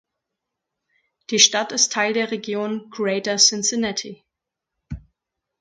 Die Stadt ist Teil der Region Greater Cincinnati.